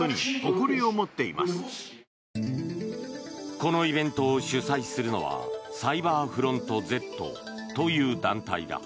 このイベントを主催するのはサイバーフロントＺという団体だ。